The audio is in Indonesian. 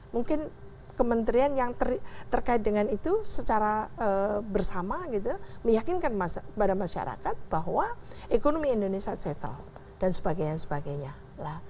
mungkin kementerian yang terkait dengan itu secara bersama gitu meyakinkan pada masyarakat bahwa ekonomi indonesia settle dan sebagainya